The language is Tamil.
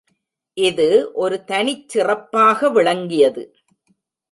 இது ஒரு தனிச் சிறப்பாக விளங்கியது.